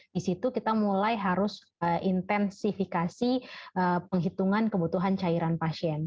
disitu kita mulai harus intensifikasi penghitungan kebutuhan cairan pasien